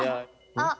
あっ！